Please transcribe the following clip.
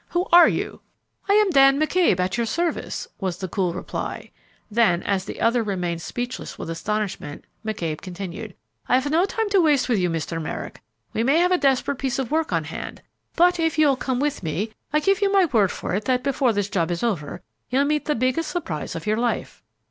Who are you?" "I am Dan McCabe, at your service," was the cool reply; then, as the other remained speechless with astonishment, McCabe continued: "I've no time to waste with you, Mr. Merrick; we may have a desperate piece of work on hand; but if you'll come with me, I give you my word for it that before this job is over you'll meet the biggest surprise of your life."